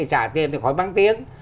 chả tiền thì khỏi bán tiếng